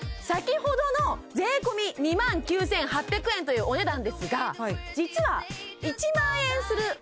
先ほどの税込２万９８００円というお値段ですが実は１万円する